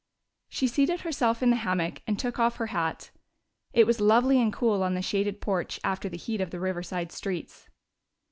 She seated herself in the hammock and took off her hat. It was lovely and cool on the shaded porch after the heat of the Riverside streets.